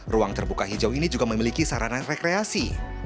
ruang terbuka hijau ini juga memiliki sarana rekreasi